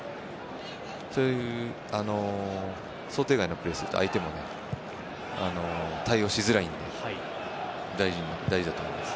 そういう想定外のプレーをすると相手も対応しづらいので大事だと思います。